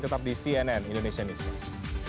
tetap di cnn indonesia newscast